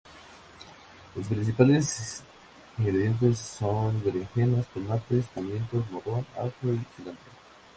Los principales ingredientes son berenjenas, tomates, pimiento morrón, ajo y cilantro.